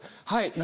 何？